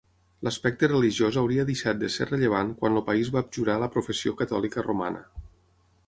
L'aspecte religiós hauria deixat de ser rellevant quan el país va abjurar la professió catòlica romana.